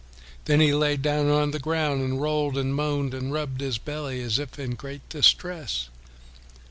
Then he lay down on the ground, and rolled and moaned and rubbed his belly as if in great distress.